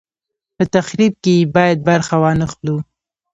په تخریب کې یې باید برخه وانه خلو.